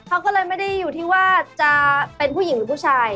เขาก็เลยไม่ได้อยู่ที่ว่าจะเป็นผู้หญิงหรือผู้ชาย